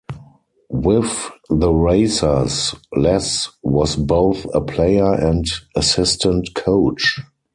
With the Racers, Les was both a player and assistant coach.